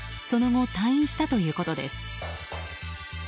その後、退院したということです。